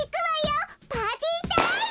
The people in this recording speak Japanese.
パーティータイム！